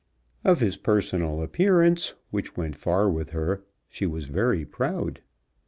Of his personal appearance, which went far with her, she was very proud.